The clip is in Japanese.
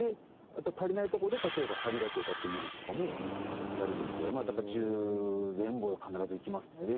あとは足りないとこで例えばサビだけ歌ってみるとかもやるんで１０前後必ずいきますね。